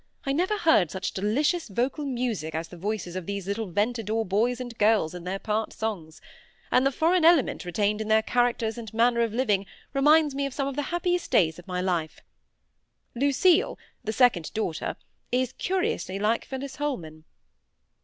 I never heard such delicious vocal music as the voices of these Ventadour boys and girls in their part songs; and the foreign element retained in their characters and manner of living reminds me of some of the happiest days of my life. Lucille, the second daughter, is curiously like Phillis Holman."